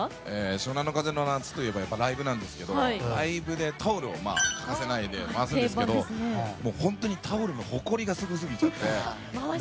湘南乃風の夏といえばライブなんですけどライブでタオルを回すんですけど本当に、ほこりがすごすぎちゃって。